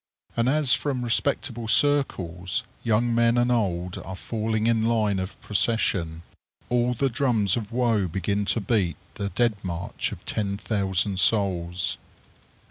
And as from respectable circles young men and old are falling in line of procession, all the drums of woe begin to beat the dead march of ten thousand souls.